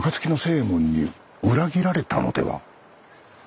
右衛門に裏切られたのでは？